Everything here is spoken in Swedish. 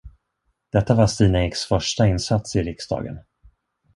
Detta var Stina Eks första insats i riksdagen.